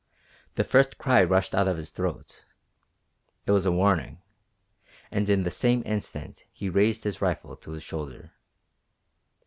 The first cry rushed out of his throat. It was a warning, and in the same instant he raised his rifle to his shoulder.